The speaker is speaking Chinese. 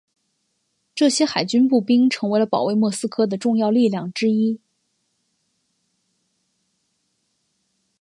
这些海军步兵成为了保卫莫斯科的重要力量之一。